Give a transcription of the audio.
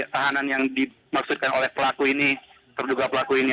tahanan yang dimaksudkan oleh pelaku ini terduga pelaku ini